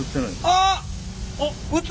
あっ！